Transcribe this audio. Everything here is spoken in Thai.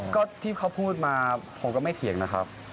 ก็ที่เขาพูดมาผมก็ไม่เถียงนะครับ